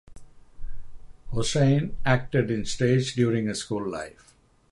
Hossain acted in stage during his school life.